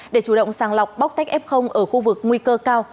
để chủ động sàng lọc bóc tách f ở khu vực nguy cơ cao